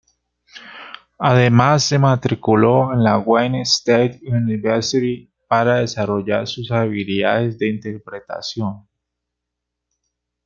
Además, se matriculó en la Wayne State University para desarrollar sus habilidades de interpretación.